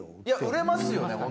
いや売れますよね